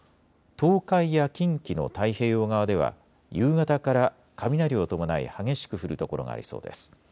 東海や近畿の太平洋側では夕方から雷を伴い激しく降る所がありそうです。